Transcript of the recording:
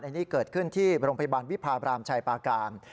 อันนี้เกิดขึ้นที่โรงพยาบาลวิพาบรามชายปาการ